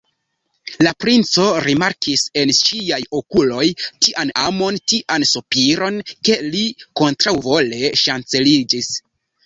La princo rimarkis en ŝiaj okuloj tian amon, tian sopiron, ke li kontraŭvole ŝanceliĝis.